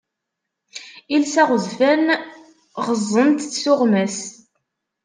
Iles aɣezfan, ɣeẓẓent-tt tuɣmas.